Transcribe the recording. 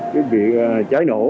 cái việc cháy nổ